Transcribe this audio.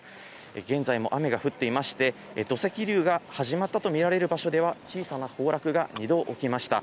現在も雨が降っていまして、土石流が始まったと見られる場所では、小さな崩落が２度起きました。